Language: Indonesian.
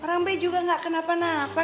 orang b juga gak kenapa napa